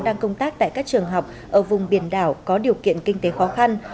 đang công tác tại các trường học ở vùng biển đảo có điều kiện kinh tế khó khăn